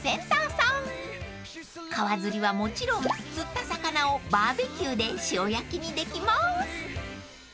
［川釣りはもちろん釣った魚をバーベキューで塩焼きにできます］